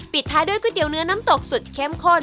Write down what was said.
ท้ายด้วยก๋วยเตี๋ยเนื้อน้ำตกสุดเข้มข้น